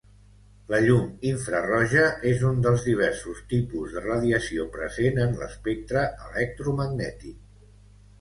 La llum infraroja és un dels diversos tipus de radiació present en l'espectre electromagnètic.